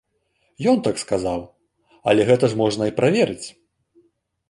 Ён так сказаў, але гэта ж можна і праверыць!